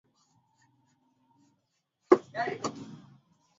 inaathiri misitu ikisababisha visiwa vyenye asidi na kupea kwa samaki